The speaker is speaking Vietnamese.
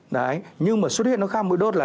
đấy nhưng mà suốt huyết nó khác mũi đốt là